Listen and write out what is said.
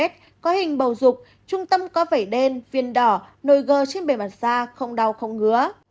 có hình bầu rục trung tâm có vảy đen viên đỏ nồi gơ trên bề mặt da không đau không ngứa